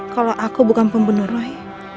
kalau aku bukan pembunuh roy